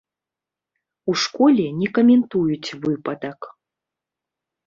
У школе не каментуюць выпадак.